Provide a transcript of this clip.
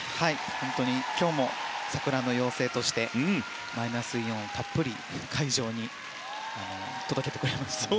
本当に今日も桜の妖精としてマイナスイオンをたっぷり会場に届けてくれました。